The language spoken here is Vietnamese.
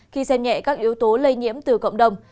khi xem nhẹ các yếu tố lây nhiễm từ cộng đồng